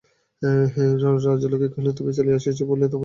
রাজলক্ষ্মী কহিলেন, তুমি চলিয়া আসিয়াছ বলিয়া আমার ছেলে-বউ ঘর ছাড়িয়া আসিতেছে।